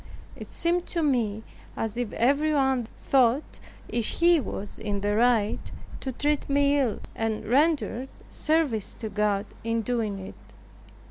It seemed to me as if everyone thought he was in the right to treat me ill, and rendered service to God in doing it.